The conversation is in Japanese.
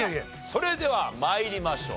それでは参りましょう。